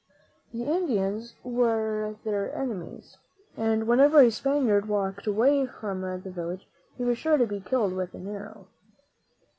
The Indians were their enemies, and whenever a Spaniard walked away from the village he was sure to be killed with an arrow.